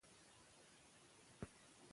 ماشومان د خطي وخت پوهې ته ژر رسي.